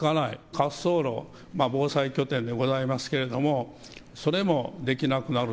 滑走路、防災拠点でございますけれどもそれもできなくなる。